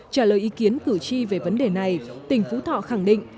trả lời ý kiến cử tri về vấn đề này tỉnh phú thọ khẳng định